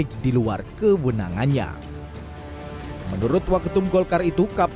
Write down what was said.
keputusan kpu yang ditutup